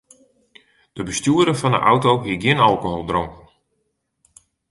De bestjoerder fan de auto hie gjin alkohol dronken.